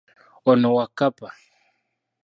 Ono Wakkapa.